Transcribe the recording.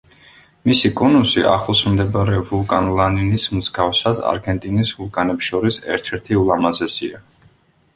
მისი კონუსი, ახლოს მდებარე ვულკან ლანინის მსგავსად, არგენტინის ვულკანებს შორის ერთ-ერთი ულამაზესია.